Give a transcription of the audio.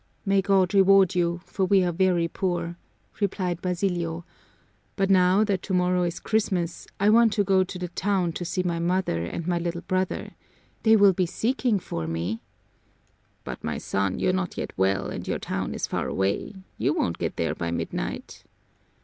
"May God reward you, for we are very poor," replied Basilio. "But now that tomorrow is Christmas I want to go to the town to see my mother and my little brother. They will be seeking for me." "But, my son, you're not yet well, and your town is far away. You won't get there by midnight."